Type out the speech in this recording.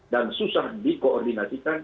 dan susah dikoordinasikan